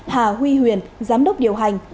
hà huy huyền giám đốc điều hành